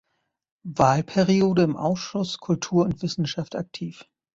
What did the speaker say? Wahlperiode im Ausschuss „Kultur und Wissenschaft“ aktiv.